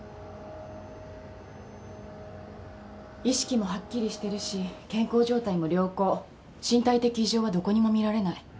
意識もはっきりしてるし健康状態も良好身体的異常はどこにも見られない。